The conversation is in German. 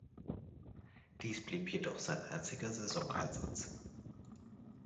Dies blieb jedoch sein einziger Saisoneinsatz.